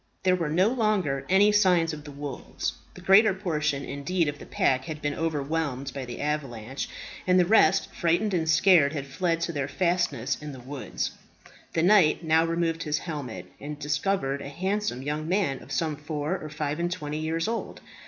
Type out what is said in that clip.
There were no longer any signs of the wolves. The greater portion, indeed, of the pack had been overwhelmed by the avalanche, and the rest, frightened and scared, had fled to their fastnesses in the woods. The knight now removed his helmet, and discovered a handsome yoking man of some four or five and twenty years old.